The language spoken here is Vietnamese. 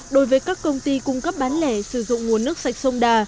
đối với các công ty cung cấp bán lẻ sử dụng nguồn nước sạch sông đà